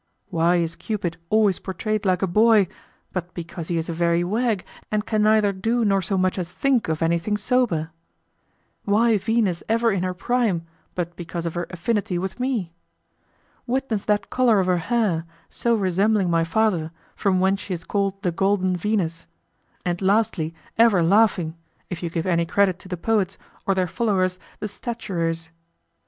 Why is Cupid always portrayed like a boy, but because he is a very wag and can neither do nor so much as think of anything sober? Why Venus ever in her prime, but because of her affinity with me? Witness that color of her hair, so resembling my father, from whence she is called the golden Venus; and lastly, ever laughing, if you give any credit to the poets, or their followers the statuaries.